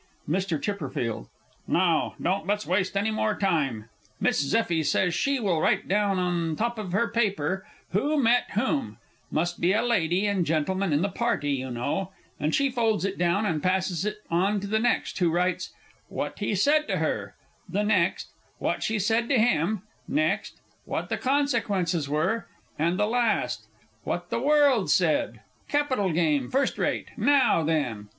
MR. C. No don't let's waste any more time. Miss Zeffie says she will write down on the top of her paper "Who met whom" (must be a Lady and Gentleman in the party, you know), then she folds it down, and passes it on to the next, who writes, "What he said to her" the next, "What she said to him" next, "What the consequences were," and the last, "What the world said." Capital game first rate. Now, then!